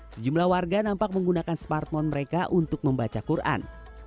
sejumlah warga nampak menggunakan smartphone mereka untuk membaca quran